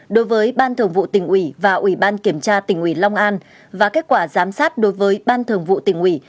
đối với ban thường vụ tỉnh ủy và ủy ban kiểm tra tỉnh ủy long an và kết quả giám sát đối với ban thường vụ tỉnh ủy